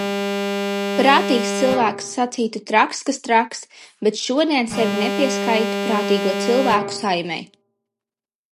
Prātīgs cilvēks sacītu traks kas traks, bet šodien sevi nepieskaitu prātīgo cilvēku saimei.